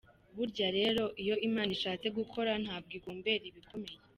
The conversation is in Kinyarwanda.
Burya rero iyo Imana ishatse gukora ntabwo igombera ibikomeye.